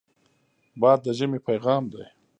باد د ژمې پیغام دی